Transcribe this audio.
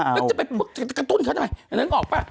ก็จะไปกระตุ้นเขาได้ไหมนึกออกป่ะ